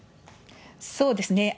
そうですね。